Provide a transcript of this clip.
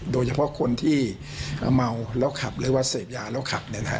โดยเฉพาะคนที่เมาแล้วขับหรือว่าเสพยาแล้วขับ